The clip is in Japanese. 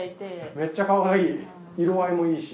めっちゃかわいい色合いもいいし。